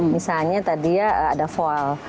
misalnya tadi ya ada voal